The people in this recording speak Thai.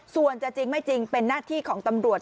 ส่วนจะจริงไม่จริงเป็นหน้าที่ของตำรวจ